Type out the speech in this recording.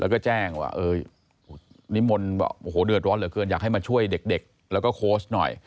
แล้วก็แจ้งว่านิมนต์บอกโอ้โหเดือดร้อนเหลือเกินอยากให้มาช่วยเด็กแล้วก็โค้ชหน่อย